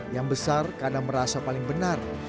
yang besar karena merasa paling benar